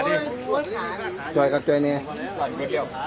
โรจิกานี่ไหม